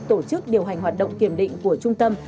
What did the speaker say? tổ chức điều hành hoạt động kiểm định của trung tâm